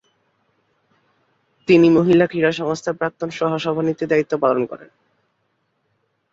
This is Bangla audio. তিনি মহিলা ক্রীড়া সংস্থার প্রাক্তন সহ-সভানেত্রী দায়িত্ব পালন করেন।